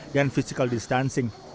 dan physical distancing